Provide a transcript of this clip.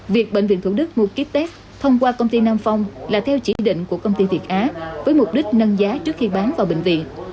việc bệnh viện thủ đức mua ký test thông qua công ty nam phong là theo chỉ định của công ty việt á với mục đích nâng giá trước khi bán vào bệnh viện